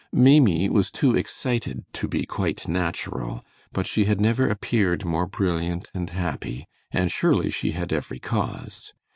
Maimie was too excited to be quite natural, but she had never appeared more brilliant and happy, and surely she had every cause.